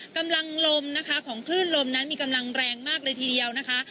กำลังลมนะคะของคลื่นลมนั้นมีกำลังแรงมากเลยทีเดียวนะคะ